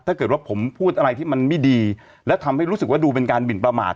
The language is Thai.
ถ้าเกิดว่าผมพูดอะไรที่มันไม่ดีและทำให้รู้สึกว่าดูเป็นการหมินประมาท